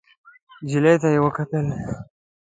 نجلۍ ته يې وکتل.